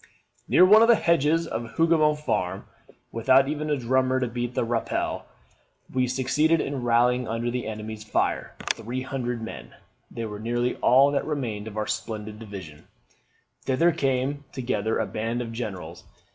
]: "Near one of the hedges of Hougoumont farm, without even a drummer to beat the RAPPEL, we succeeded in rallying under the enemy's fire 300 men: they were nearly all that remained of our splendid division, Thither came together a band of generals.